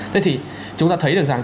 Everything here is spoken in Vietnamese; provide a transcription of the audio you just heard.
thế thì chúng ta thấy được rằng